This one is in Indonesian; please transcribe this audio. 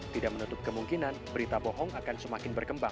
tidak menutup kemungkinan berita bohong akan semakin berkembang